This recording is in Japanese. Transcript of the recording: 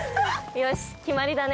よし決まりだね。